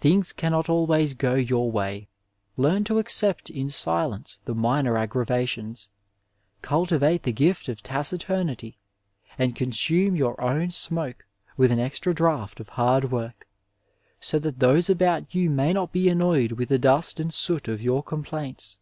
Things cannot al ways go your Way. Leam to accept in silence the minor aggravations, cultivate the gift of taciturnity and consume your own smoke with an extra draught of hard work, so that those about you may not be annoyed with the dust and soot of your complaints.